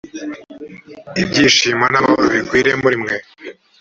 ibyishimo n’ amahoro bigwire muri mwe